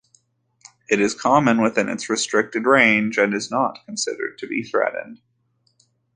It is common within its restricted range, and is not considered to be threatened.